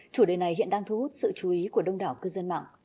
chủ đề này hiện đang thu hút sự chú ý của đông đảo cư dân mạng